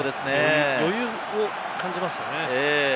余裕を感じますよね。